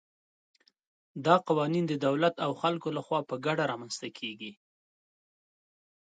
دا قوانین د دولت او خلکو له خوا په ګډه رامنځته کېږي.